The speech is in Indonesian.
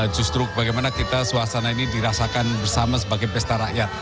justru bagaimana kita suasana ini dirasakan bersama sebagai pesta rakyat